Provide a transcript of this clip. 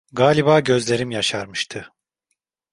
Galiba gözlerim yaşarmıştı.